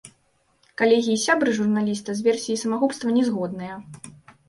Калегі і сябры журналіста з версіяй самагубства не згодныя.